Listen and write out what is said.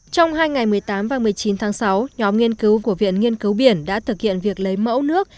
trong hai ngày một mươi tám và một mươi chín tháng sáu nhóm nghiên cứu của viện nghiên cứu biển đã thực hiện việc lấy mẫu nước